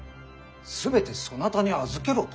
全てそなたに預けろと？